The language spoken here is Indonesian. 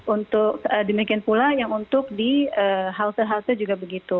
untuk demikian pula yang untuk di halte halte juga begitu